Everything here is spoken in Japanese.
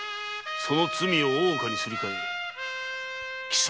その恨みを大岡にすり替え貴様